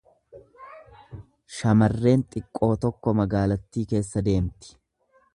Shamarreen xiqqoo tokko magaalattii keessa deemti.